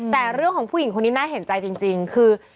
แต่เรื่องของผู้หญิงคนนี้น่าเห็นใจจริงคือ